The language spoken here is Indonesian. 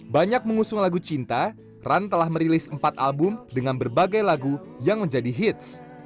banyak mengusung lagu cinta run telah merilis empat album dengan berbagai lagu yang menjadi hits